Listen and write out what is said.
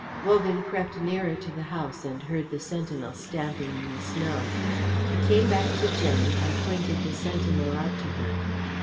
Wogan crept nearer to the house and heard the sentinel stamping in the snow. He came back to Jenny and pointed the sentinel out to her.